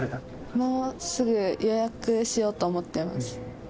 もう、すぐ予約しようと思ってます。